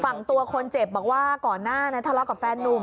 ฝั่งตัวคนเจ็บบอกว่าก่อนหน้านั้นทะเลาะกับแฟนนุ่ม